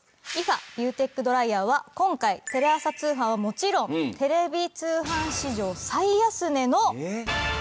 リファビューテックドライヤーは今回テレ朝通販はもちろんテレビ通販史上最安値の。